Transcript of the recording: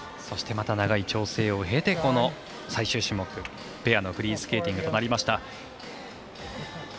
そして、また長い調整を経て最終種目ペアのフリースケーティングとなりました。